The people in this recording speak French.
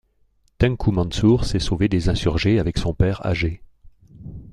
Tengku Mansur s'est sauvé des insurgés avec son père âgé.